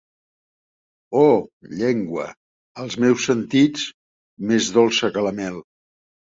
Oh llengua, als meus sentits, més dolça que la mel!